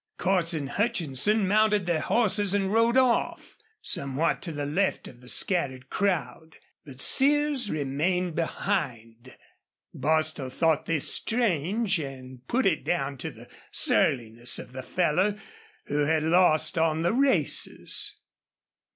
Cordts and Hutchinson mounted their horses and rode off, somewhat to the left of the scattered crowd. But Sears remained behind. Bostil thought this strange and put it down to the surliness of the fellow, who had lost on the races.